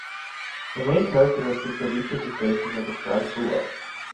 The main characteristics of each of the spaces are described below.